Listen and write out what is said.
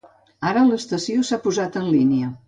Ara l'estació s'ha posat en línia.